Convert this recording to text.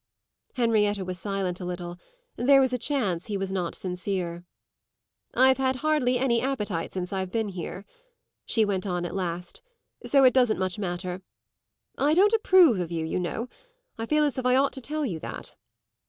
Henrietta was silent a little; there was a chance he was not sincere. "I've had hardly any appetite since I've been here," she went on at last; "so it doesn't much matter. I don't approve of you, you know; I feel as if I ought to tell you that."